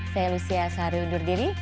saya lucia sahari undur diri